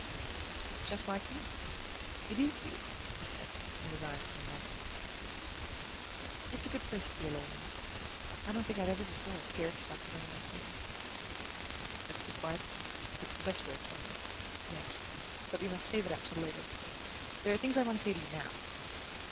"It's just like you it is you," he said, as his eyes came back to her. "It's a good place to be alone in I don't think I've ever before cared to talk with any one here." "Let's be quiet, then: it's the best way of talking." "Yes; but we must save it up till later. There are things I want to say to you now."